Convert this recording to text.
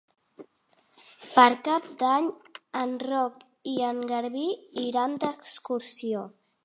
Per Cap d'Any en Roc i en Garbí iran d'excursió.